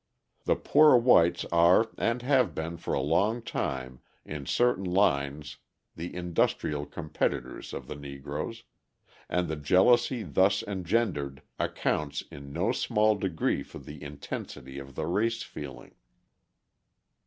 The poor whites are and have been for a long time in certain lines the industrial competitors of the Negroes, and the jealousy thus engendered accounts in no small degree for the intensity of the race feeling.